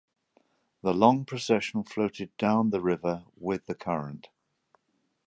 The long procession floated down the river with the current.